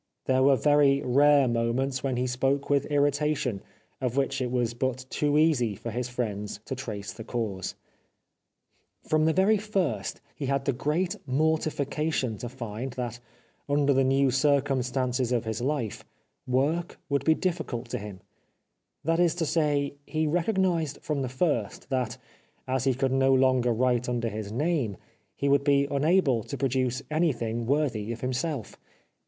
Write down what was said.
There were very rare moments when he spoke with irritation, of which it was but too easy for his friends to trace the cause. 408 The Life of Oscar Wilde From the very first he had the great mortifica tion to find that, under the new circumstances of his hfe, work would be difficult to him. That is to say, he recognised from the first that, as he could no longer write under his name, he would be unable to produce anything worthy of him self.